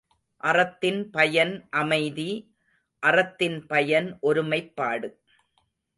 அறத்தின் பயன் அமைதி, அறத்தின் பயன் ஒருமைப்பாடு.